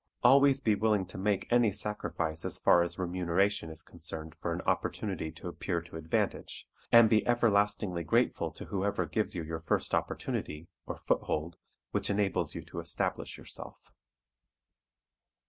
Always be willing to make any sacrifice as far as remuneration is concerned for an opportunity to appear to advantage, and be everlastingly grateful to whoever gives you your first opportunity, or foothold which enables you to establish yourself.